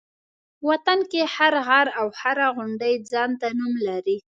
وطن کې هر غر او هره غونډۍ ځان ته نوم لري.